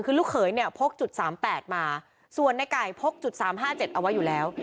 คือลูกเขยเนี้ยพกจุดสามแปดมาส่วนในไก่พกจุดสามห้าเจ็ดเอาไว้อยู่แล้ว